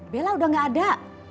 bella udah gak ada